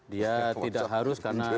dia tidak harus karena dia badan